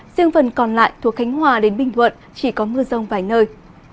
riêng phần còn lại thuộc khánh hòa đến bình thuận chỉ có mưa rông vài nơi